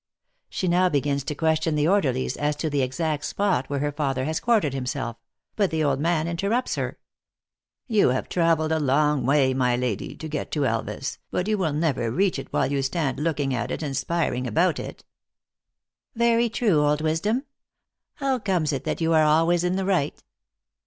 She now begins to question the orderlies as to the exact spot where her father has quartered himself; but the old man interrupts her :" You have traveled a long way, my lady, to get to Elvas, but you will never reach it while you stand looking at it and spiering about it." " Very true, old Wisdom. How comes it that you are always in the right?